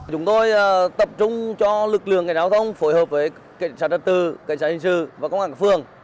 chúng tôi tập trung cho lực lượng cảnh sát giao thông phối hợp với cảnh sát trật tự cảnh sát hình sự và công an phương